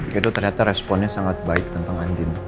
itu ternyata responnya sangat baik tentang andin